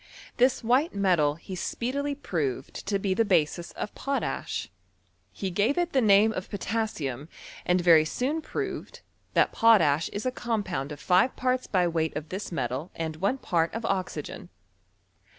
Thia white metal he speedily proved to be tlie basis o€ potash. He gave it the name of potassium, and very soon proved, that potash is a compound of five parts by weight of this metal and one part of oxygen.